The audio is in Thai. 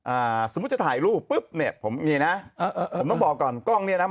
อ่าสมมุติจะถ่ายรูปปุ๊บเนี่ยผมมีนะเออผมต้องบอกก่อนกล้องเนี้ยนะ